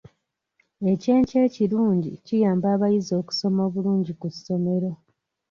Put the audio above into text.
Ekyenkya ekirungi kiyamba abayizi okusoma obulungi ku ssomero.